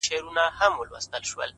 ریښتینی ارزښت په کردار کې وي.!